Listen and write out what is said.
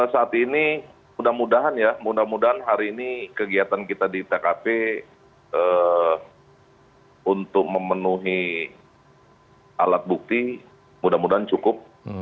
saat ini mudah mudahan ya mudah mudahan hari ini kegiatan kita di tkp untuk memenuhi alat bukti mudah mudahan cukup